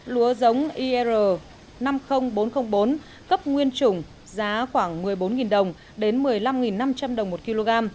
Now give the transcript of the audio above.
lúa giống ir năm mươi nghìn bốn trăm linh bốn cấp nguyên trùng giá khoảng một mươi bốn đồng đến một mươi năm năm trăm linh đồng một kg